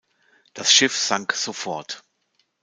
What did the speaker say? Das Schiff sank sofort.